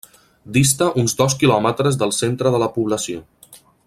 Dista uns dos quilòmetres del centre de la població.